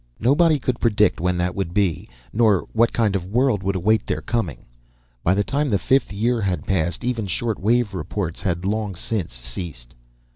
Nobody could predict when that would be, nor what kind of world would await their coming. By the time the fifth year had passed, even shortwave reports had long since ceased.